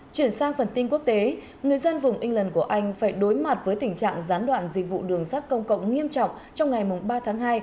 chuyển sang phần tin quốc tế người dân vùng england của anh phải đối mặt với tình trạng gián đoạn dịch vụ đường sắt công cộng nghiêm trọng trong ngày ba tháng hai